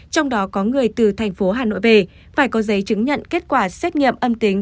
trong đó có người từ thành phố hà nội về phải có giấy chứng nhận kết quả xét nghiệm âm tính